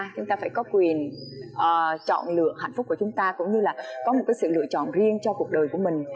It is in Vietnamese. chúng ta phải có quyền chọn lựa hạnh phúc của chúng ta cũng như là có một sự lựa chọn riêng cho cuộc đời của mình